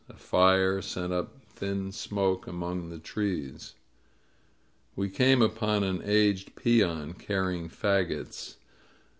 A fire sent up thin smoke among the trees. We came upon an aged peon carrying fagots.